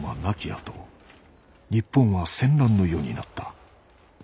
亡きあと日本は戦乱の世になった。